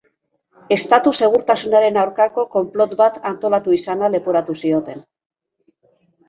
Estatu-segurtasunaren aurkako konplot bat antolatu izana leporatu zioten.